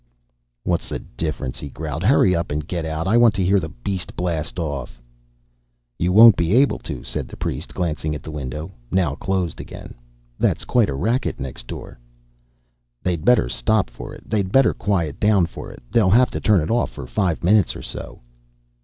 "What's the difference?" he growled. "Hurry up and get out. I want to hear the beast blast off." "You won't be able to," said the priest, glancing at the window, now closed again. "That's quite a racket next door." "They'd better stop for it. They'd better quiet down for it. They'll have to turn it off for five minutes or so."